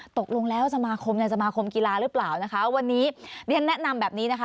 ตกลงแล้วสมาคมในสมาคมกีฬาหรือเปล่านะคะวันนี้เรียนแนะนำแบบนี้นะคะ